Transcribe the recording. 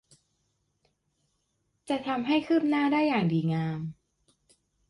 จะทำให้คืบหน้าได้อย่างดีงาม